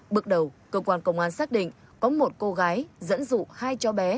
bước đầu công an tp hcm xác định có một cô gái dẫn dụ hai cháu bé